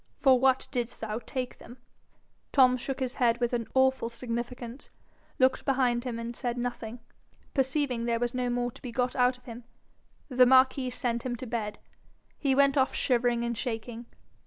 'For what didst thou take them?' Tom shook his head with an awful significance, looked behind him, and said nothing. Perceiving there was no more to be got out of him, the marquis sent him to bed. He went off shivering and shaking.